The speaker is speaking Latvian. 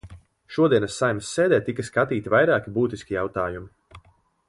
Šodienas Saeimas sēdē tika skatīti vairāki būtiski jautājumi.